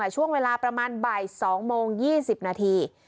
ช่วงเวลาประมาณบ่าย๒โมง๒๐นาที